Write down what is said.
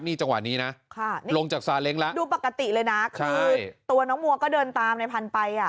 นี่จังหวะนี้นะลงจากซาเล้งแล้วดูปกติเลยนะคือตัวน้องมัวก็เดินตามในพันธุ์ไปอ่ะ